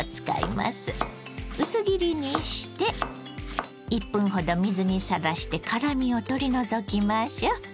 薄切りにして１分ほど水にさらして辛みを取り除きましょう。